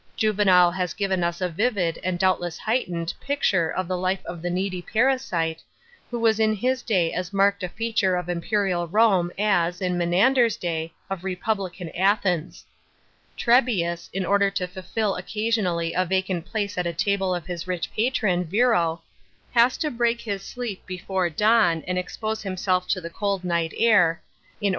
Juvenal has given us a vivid, and doubtless heightened, picture of the life of the needy parasite, who was in his day as marked a feature of imperial Rome as, in Menander's day, of republican Athens. Trebius, in order to fill occasionally a vacant place at the table of his rich patron, Virro, has to break his sleep before dawn and expose himself to the cold night air, in order * Juvenal, iv.